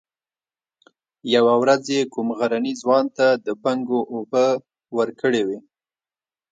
يوه ورځ يې کوم غرني ځوان ته د بنګو اوبه ورکړې وې.